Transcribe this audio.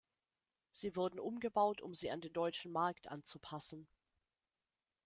Sie wurden umgebaut, um sie an den deutschen Markt anzupassen.